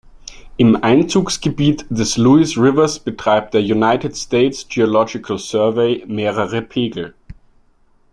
Im Einzugsgebiet des Lewis Rivers betreibt der United States Geological Survey mehrere Pegel.